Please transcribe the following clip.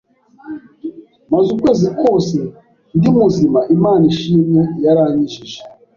maze ukwezi kose ndi muzima Imana ishimwe yarankijije